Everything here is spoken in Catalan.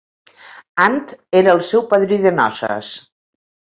Ant era el seu padrí de noces.